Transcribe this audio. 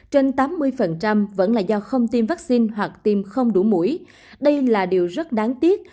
trên tám mươi vẫn là do không tiêm vaccine hoặc tiêm không đủ mũi đây là điều rất đáng tiếc